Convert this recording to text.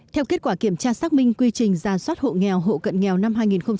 theo kết quả kiểm tra xác minh quy trình giả soát hộ nghèo hộ cận nghèo năm hai nghìn một mươi chín